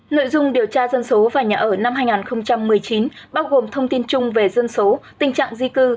nội dung điều tra dân số và nhà ở năm hai nghìn một mươi chín bao gồm thông tin chung về dân số tình trạng di cư